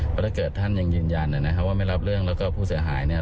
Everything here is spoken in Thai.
เพราะถ้าเกิดท่านยังยืนยันนะครับว่าไม่รับเรื่องแล้วก็ผู้เสียหายเนี่ย